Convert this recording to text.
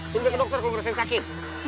sini gue ke dokter kalau lo rasain sakit